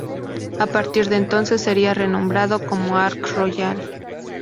A partir de entonces sería renombrado como Ark Royal.